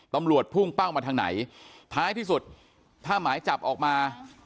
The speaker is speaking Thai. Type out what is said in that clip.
พุ่งเป้ามาทางไหนท้ายที่สุดถ้าหมายจับออกมา